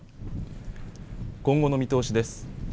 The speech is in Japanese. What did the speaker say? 今後の見通しです。